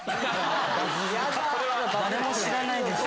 誰も知らないでしょ。